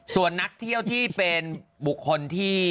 ส่วนนักเที่ยวที่เป็นบุคคลที่